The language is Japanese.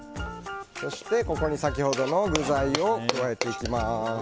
そして、ここに先ほどの具材を加えていきます。